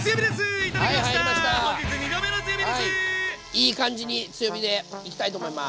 いい感じに強火でいきたいと思います。